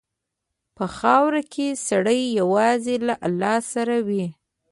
په خاوره کې سړی یوازې له الله سره وي.